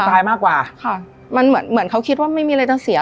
ตายมากกว่าค่ะมันเหมือนเหมือนเขาคิดว่าไม่มีอะไรจะเสีย